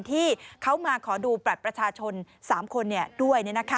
ที่เขามาขอดูบัตรประชาชน๓คนด้วย